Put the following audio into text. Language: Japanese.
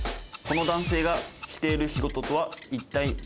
この男性がしている仕事とは一体、なんでしょう？